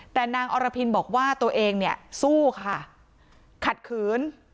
แต่นางอรพินบอกว่าตัวเองเนี่ยสู้ค่ะขัดขืน